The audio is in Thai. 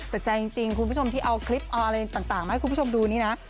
แต่ใจจริงคุณผู้ชมที่เอาคลิปเอาอะไรต่างมาให้คุณผู้ชมดูนี่นะ